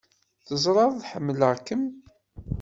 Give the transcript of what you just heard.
Teẓram ḥemmleɣ-ken!